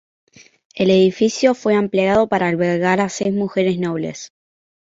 El edificio fue ampliado para albergar a seis mujeres nobles.